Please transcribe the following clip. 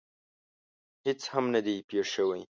هېڅ هم نه دي پېښ شوي.